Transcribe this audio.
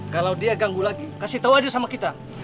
kalo dia ganggu lagi kasih tau aja sama kita